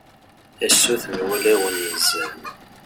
a sut n wulawen yezzan